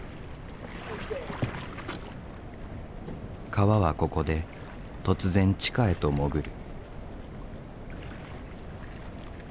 川はここで突然地下へと潜る。